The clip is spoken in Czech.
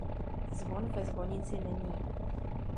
Zvon ve zvonici není.